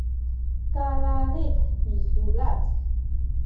kalalid misulac